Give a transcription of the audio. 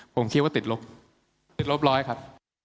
ผมคิดว่าติดลบติดลบร้อยครับ